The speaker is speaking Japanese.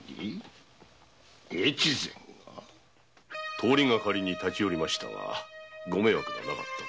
通りがかりに立ち寄りましたがご迷惑ではなかったか？